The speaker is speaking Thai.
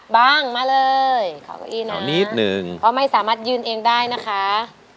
บ้างมาเลยขอก้าวอี้นะเพราะไม่สามารถยืนเองได้นะคะ